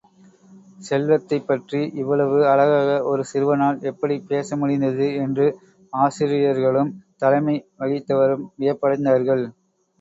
செல்வத்தைப் பற்றி இவ்வளவு அழகாக ஒரு சிறுவனால் எப்படிப் பேச முடிந்தது என்று ஆசிரியர்களும் தலைமை வகித்தவரும் வியப்படைந்தார்கள்.